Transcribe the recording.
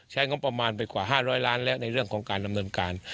งบประมาณไปกว่า๕๐๐ล้านแล้วในเรื่องของการดำเนินการ